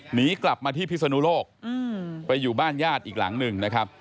หนีกลับมาที่พิศนุโลกไปอยู่บ้านญาติอีกหลังหนึ่งนะครับ